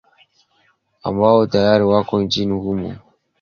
ambao tayari wako nchini humo